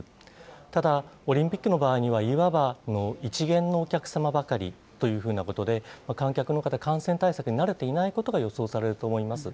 ただ、オリンピックの場合には、いわば一見のお客様ばかりというふうなことで、観客の方、感染対策に慣れていないことが予想されると思います。